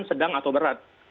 sedang atau berat